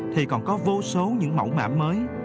thì còn có vô số những mẫu mã mới